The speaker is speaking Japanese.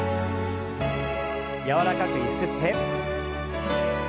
柔らかくゆすって。